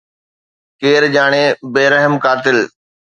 ڪير ڄاڻي، بي رحم قاتل